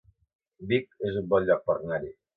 Vic es un bon lloc per anar-hi